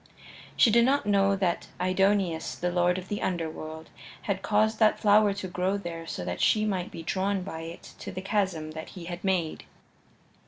She did not know that Aidoneus, the lord of the Underworld, had caused that flower to grow there so that she might be drawn by it to the chasm that he had made.